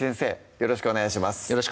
よろしくお願いします